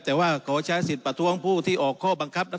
แต่ว่าขอใช้สิทธิ์ประท้วงผู้ที่ออกข้อบังคับ